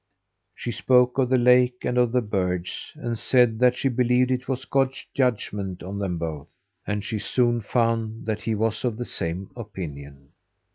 She spoke of the lake, and of the birds, and said that she believed it was God's judgment on them both. And she soon found that he was of the same opinion.